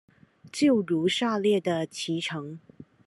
就如下列的期程